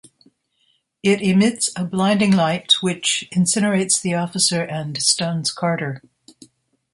It emits a blinding light which incinerates the officer and stuns Carter.